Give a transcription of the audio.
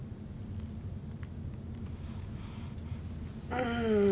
うん。